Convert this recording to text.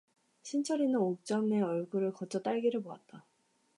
신철이는 옥점의 얼굴을 거쳐 딸기를 보았다.